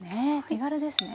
手軽ですね。